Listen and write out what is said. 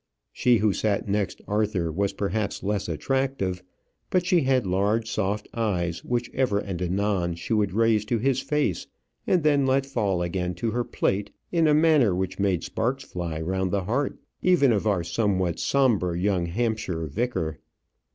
She who sat next Arthur was perhaps less attractive; but she had large soft eyes, which ever and anon she would raise to his face, and then let fall again to her plate in a manner which made sparks fly round the heart even of our somewhat sombre young Hampshire vicar.